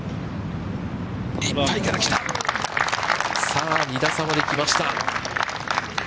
さあ２打差まで来ました。